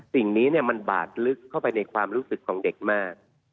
สิ่งนี้มันบาดลึกเข้าไปในความรู้สึกของเด็กมาก